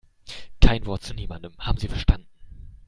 Kein Wort zu niemandem, haben Sie verstanden?